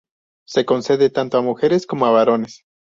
Se concede tanto a mujeres como a varones.